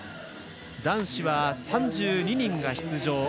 男子は３２人が出場。